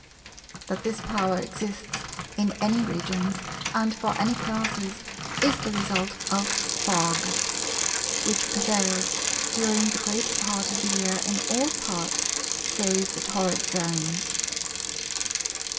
That this power exists in any regions and for any classes is the result of Fog; which prevails during the greater part of the year in all parts save the torrid zones.